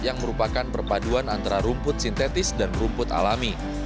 yang merupakan perpaduan antara rumput sintetis dan rumput alami